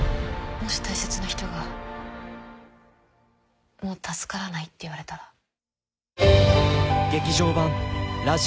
もし大切な人がもう助からないって言われたら」